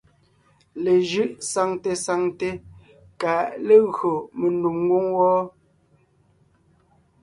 Lejʉ̌ʼ saŋte saŋte kà légÿo mendùm ngwóŋ wɔ́ɔ.